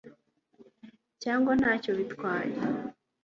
cyangwa ntacyo bitwaye